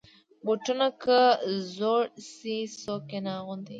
بوټونه که زوړ شي، څوک یې نه اغوندي.